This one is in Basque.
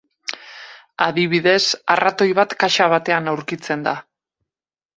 Adibidez, arratoi bat kaxa batean aurkitzen da.